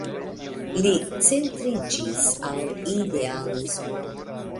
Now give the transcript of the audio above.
Li centriĝis al idealismo.